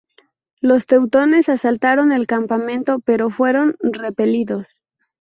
Los teutones asaltaron el campamento, pero fueron repelidos.